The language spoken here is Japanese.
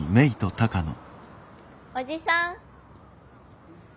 おじさん。